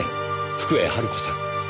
福栄晴子さん。